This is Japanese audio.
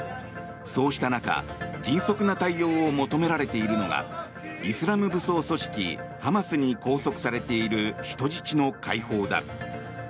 そうした中、迅速な対応を求められているのがイスラム武装組織ハマスに拘束されている人質の解放だ。